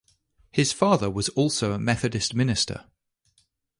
His father was also a Methodist minister.